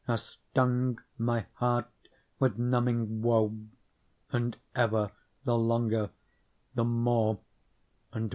As stung my heart with numbing woe. And ever the longer the more and more.